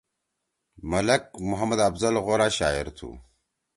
ملک محمد افضل غورا شاعر تُھو۔